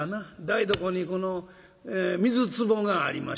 台所に水つぼがありましてね。